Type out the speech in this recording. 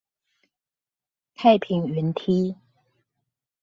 太平雲梯